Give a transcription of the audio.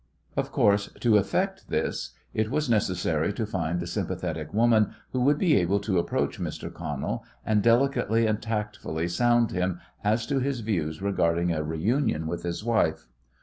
Of course, to effect this it was necessary to find a sympathetic woman who would be able to approach Mr. Connell and delicately and tactfully sound him as to his views regarding a reunion with his wife.